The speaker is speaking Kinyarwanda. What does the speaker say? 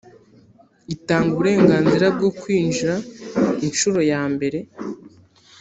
itanga uburenganzira bwo kwinjira inshuro yambere